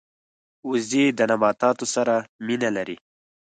وزې د نباتاتو سره مینه لري